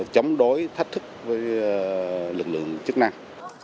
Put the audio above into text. chống đối thách thức với lực lượng chức năng